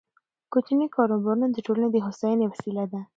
کوچني کاروبارونه د ټولنې د هوساینې وسیله ده.